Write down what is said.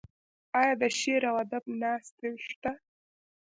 آیا د شعر او ادب ناستې شته؟